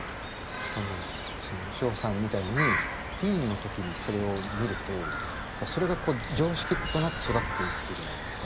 しかもシホさんみたいにティーンの時にそれを見るとそれが常識となって育っていくじゃないですか。